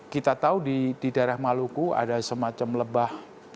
kita tahu di daerah maluku ada semacam lebah